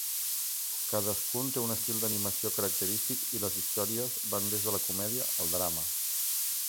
Cadascun té un estil d'animació característic i les històries van des de la comèdia al drama.